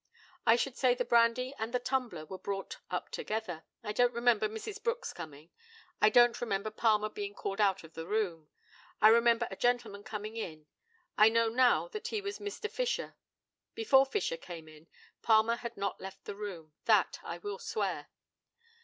I should say the brandy and the tumbler were brought up together. I don't remember Mrs. Brooks coming. I don't remember Palmer being called out of the room. I remember a gentleman coming in. I know now that he was Mr. Fisher. Before Fisher came in, Palmer had not left the room. That I will swear.